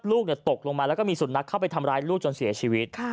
ลูกตกลงมาแล้วก็มีสุนัขเข้าไปทำร้ายลูกจนเสียชีวิต